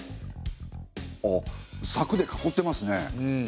あっさくで囲ってますね。